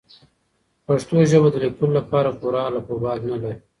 پښتو ژبه د لیکلو لپاره پوره الفبې نلري.